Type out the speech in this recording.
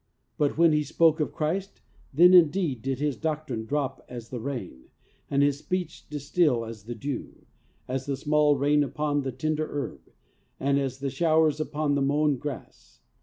But when he spoke of Christ, then indeed did his 'doctrine drop as the rain, and his speech distil as the dew, as the small rain upon the tender herb and as the showers upon the mown grass.'